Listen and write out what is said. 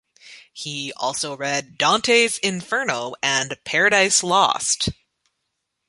He also read Dante's "Inferno" and "Paradise Lost".